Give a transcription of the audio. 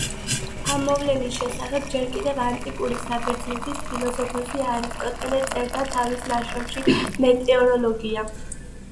ამ მოვლენის შესახებ ჯერ კიდევ ანტიკური საბერძნეთის ფილოსოფოსი არისტოტელე წერდა თავის ნაშრომში „მეტეოროლოგია“.